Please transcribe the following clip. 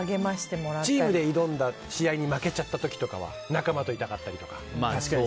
チームで挑んだ試合に負けちゃった時とかは仲間といたかったりとか。